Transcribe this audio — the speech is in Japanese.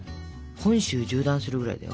本州縦断するぐらいだよ。